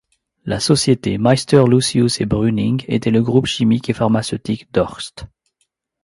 La société Meister, Lucius et Brüning était le groupe chimique et pharmaceutique d'Höchst.